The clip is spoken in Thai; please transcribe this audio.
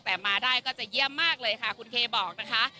แต่มาได้ก็จะเยี่ยมมากเลยค่ะคุณเคบอกนะคะ